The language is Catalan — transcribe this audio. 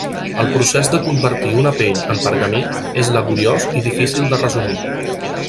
El procés de convertir una pell en pergamí és laboriós i difícil de resumir.